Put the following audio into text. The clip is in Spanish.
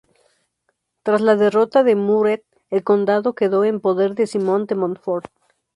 Tras la derrota de Muret el condado quedó en poder de Simón de Montfort.